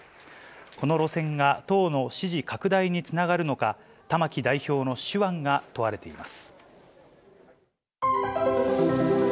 この路線が党の支持拡大につながるのか、玉木代表の手腕が問われています。